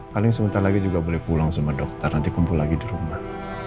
paling sebentar lagi juga boleh pulang sama dokter nanti kumpul lagi di rumah